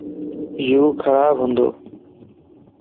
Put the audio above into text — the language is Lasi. يو خراب ھنڊوَ